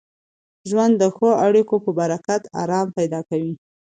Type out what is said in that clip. ژوند د ښو اړیکو په برکت ارام پیدا کوي.